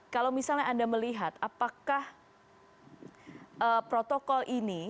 kalau misalnya anda melihat apakah protokol ini